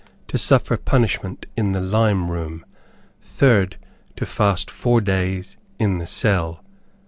To suffer punishment in the lime room. Third. To fast four days, in the cell.